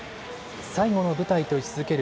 最後の舞台と位置づける